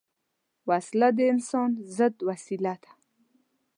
وسله د انسان ضد وسیله ده